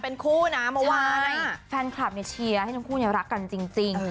เป็นคู่นะเมื่อวานนะใช่แฟนคลับเนี้ยเชียร์ให้ทั้งคู่เนี้ยรักกันจริงจริง